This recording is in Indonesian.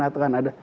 atau akan ada